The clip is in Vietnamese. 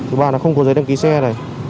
thứ ba là không có giấy đăng ký xe này